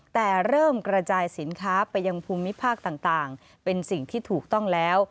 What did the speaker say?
แต่เริ่มกระจายสินค้าไปยังภูมิภาคต่างเป็นสิ่งที่ถูกต้องแล้ว